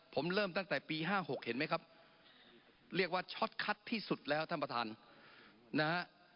ผมเริ่มตั้งแต่ปี๕๖เห็นไหมครับเรียกว่าช็อตคัดที่สุดแล้วท่านประธานนะฮะ